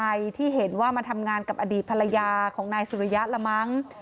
ใครที่เห็นว่ามาทำงานกับอดีตภรรยาของนายสุริยะละมั้ง